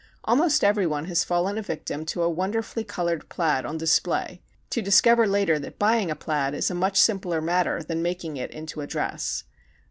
Almost everyone has fallen a victim to a wonderfully colored plaid on display, to discover later that buying a plaid is a much simpler matter than making it into a dress.